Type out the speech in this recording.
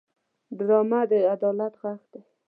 ډرامه د عدالت غږ دی